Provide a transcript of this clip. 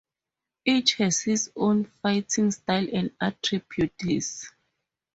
Each has his own fighting style and attributes.